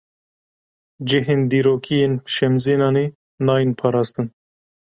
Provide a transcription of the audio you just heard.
Cihên dîrokî yên Şemzînanê, nayên parastin